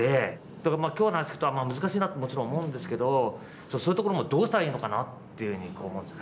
だけど今日の話聞くと難しいなってもちろん思うんですけどそういうところもどうしたらいいのかなっていうふうに思うんです。